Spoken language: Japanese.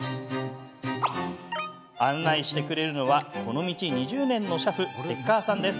案内してくれるのはこの道２０年の車夫、関川さん。